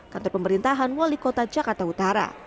kantor pemerintahan wali kota jakarta utara